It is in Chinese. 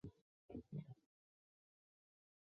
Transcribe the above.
它还可以防止水土流失从这些场地防止进一步污染。